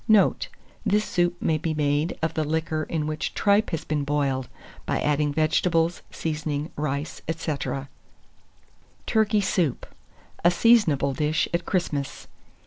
Note. This soup may be made of the liquor in which tripe has been boiled, by adding vegetables, seasoning, rice, &c. TURKEY SOUP (a Seasonable Dish at Christmas).